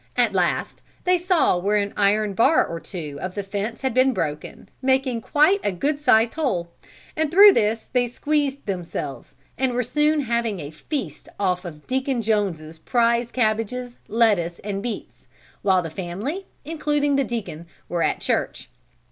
At last they saw where an iron bar or two of the fence had been broken, making quite a good sized hole and through this they squeezed themselves and were soon having a feast off of Deacon Jones's prize cabbages, lettuce and beets, while the family, including the Deacon, were at church.